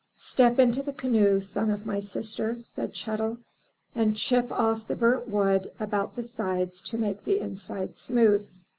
"Step into the canoe, Son of my sister," said Chet'l, "and chip off the burnt wood about the sides to make the inside smooth."